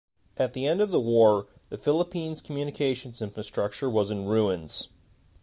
At the end of the war, the Philippines' communications infrastructure was in ruins.